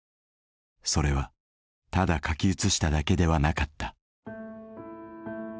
それはただ書き写しただけではなかった。